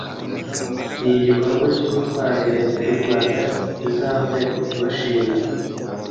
ni igikorwa cy’ubutwari Leta y’u Rwanda izahora ibashimira”